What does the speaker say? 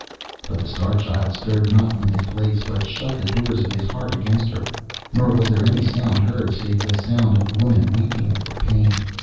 But the Star Child stirred not from his place, but shut the doors of his heart against her, nor was there any sound heard save the sound of the woman weeping for pain.